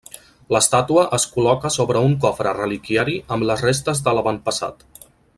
L'estàtua es col·loca sobre un cofre reliquiari amb les restes de l'avantpassat.